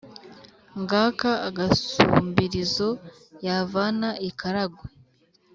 ngaka agasumbirizo yavana i karagwe,